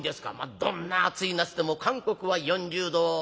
「どんな暑い夏でも韓国は４０度いかないな。